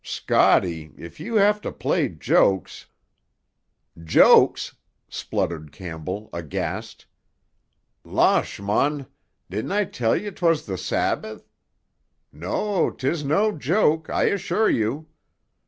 "Scotty, if you have to play jokes——" "Jokes!" spluttered Campbell, aghast. "Losh, mon! Didna I tell ye 'twas the Sabbath? No, 'tis no joke, I assure you.